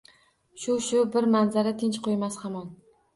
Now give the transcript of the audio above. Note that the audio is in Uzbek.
Shu-shu bir manzara tinch qo’ymas hamon: